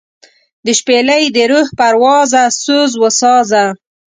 دشپیلۍ دروح پروازه سوزوسازه